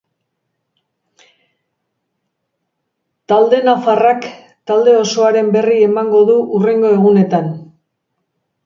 Talde nafarrak talde osoaren berri emango du hurrengo egunetan.